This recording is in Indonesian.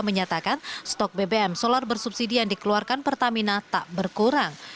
menyatakan stok bbm solar bersubsidi yang dikeluarkan pertamina tak berkurang